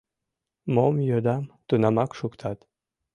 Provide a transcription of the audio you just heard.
Мом йодам — тунамак шуктат.